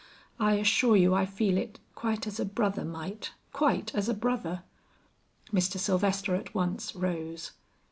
I assure you I feel it quite as a brother might, quite as a brother." Mr. Sylvester at once rose.